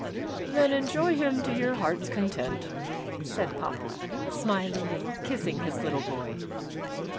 "Then enjoy him to your heart's content," said Papa, smiling and kissing his little boy.